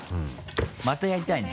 またやりたいね。